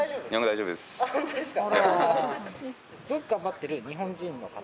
ホントですか。